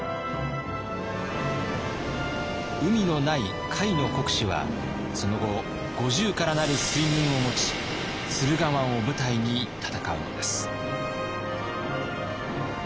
海のない甲斐の国主はその後５０からなる水軍を持ち駿河湾を舞台に戦うのです。